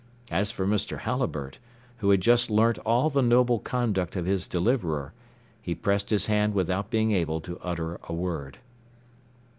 As for Mr. Halliburtt, who had just learnt all the noble conduct of his deliverer, he pressed his hand without being able to utter a word.